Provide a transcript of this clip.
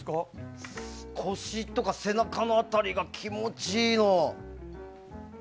腰とか背中の辺りが気持ちいいの。